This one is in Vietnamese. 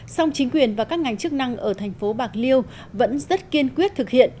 song chính quyền và các ngành chức năng ở thành phố bạc liêu vẫn rất kiên quyết thực hiện